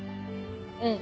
うん。